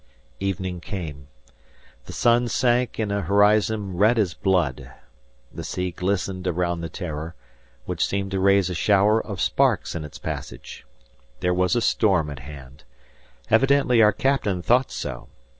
Evening came. The sun sank in a horizon red as blood. The sea glistened around the "Terror," which seemed to raise a shower of sparks in its passage. There was a storm at hand. Evidently our captain thought so.